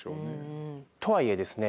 とはいえですね